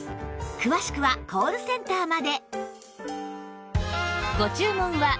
詳しくはコールセンターまで